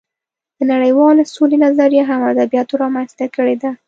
د نړۍوالې سولې نظریه هم ادبیاتو رامنځته کړې ده